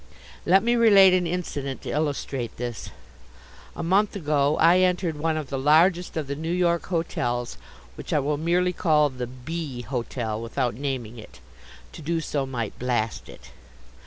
Let me relate an incident to illustrate this: a month ago I entered one of the largest of the New York hotels which I will merely call the B. hotel without naming it: to do so might blast it.